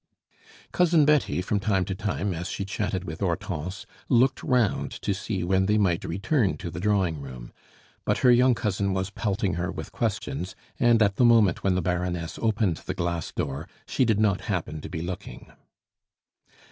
Cousin Betty, from time to time, as she chatted with Hortense, looked round to see when they might return to the drawing room; but her young cousin was pelting her with questions, and at the moment when the Baroness opened the glass door she did not happen to be looking.